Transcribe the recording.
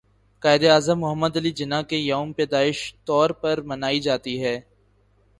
قائد اعظم محمد علی جناح کے يوم پیدائش طور پر منائی جاتى ہے